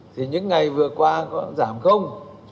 thì những ngày vừa qua có giảm không